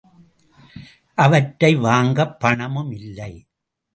அவற்றை வாங்கப் பணமும் இல்லை.